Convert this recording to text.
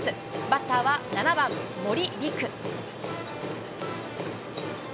バッターは７番森凜琥。